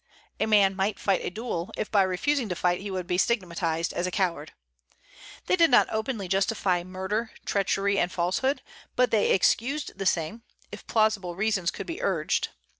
A man might fight a duel, if by refusing to fight he would be stigmatized as a coward. They did not openly justify murder, treachery, and falsehood, but they excused the same, if plausible reasons could be urged.